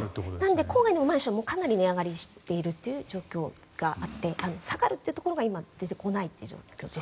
だから郊外のマンションもかなり値上がりしている状況があって下がるというところが今、出てこない状況です。